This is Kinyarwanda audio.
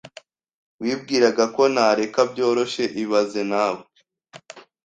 Wibwiraga ko nareka byoroshye ibaze nawe